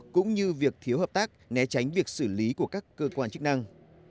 cũng như việc thiếu hợp tác né tránh việc xử lý của các cơ quan chức năng